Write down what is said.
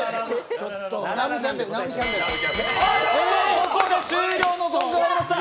ここで終了のゴングが鳴りました。